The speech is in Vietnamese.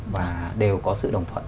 và đều có sự đồng thuận